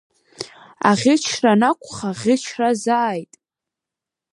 Аӷьычра анакәха ӷьычразааит!